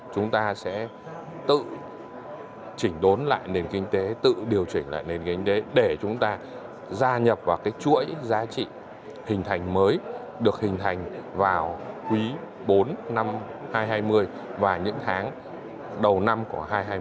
chúng ta sẽ tự chỉnh đốn lại nền kinh tế tự điều chỉnh lại nền kinh tế để chúng ta gia nhập vào cái chuỗi giá trị hình thành mới được hình thành vào quý bốn năm hai nghìn hai mươi và những tháng đầu năm của hai nghìn hai mươi